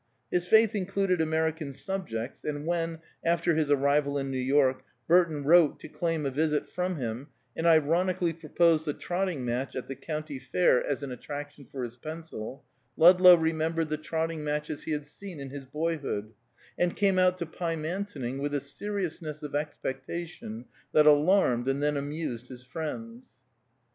His faith included American subjects, and when, after his arrival in New York, Burton wrote to claim a visit from him and ironically proposed the trotting match at the County Fair as an attraction for his pencil, Ludlow remembered the trotting matches he had seen in his boyhood, and came out to Pymantoning with a seriousness of expectation that alarmed and then amused his friends.